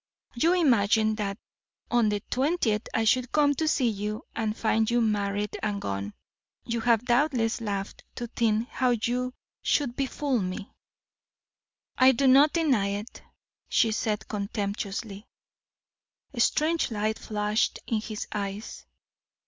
You imagined that on the twentieth I should come to see you, and find you married and gone. You have doubtless laughed to think how you should befool me." "I do not deny it," she said, contemptuously. A strange light flashed in his eyes.